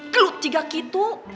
kelut juga gitu